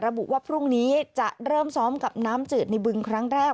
ระบุว่าพรุ่งนี้จะเริ่มซ้อมกับน้ำจืดในบึงครั้งแรก